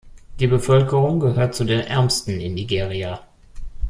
Die Bevölkerung gehört zu den Ärmsten in Nigeria.